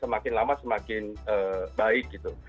semakin lama semakin baik gitu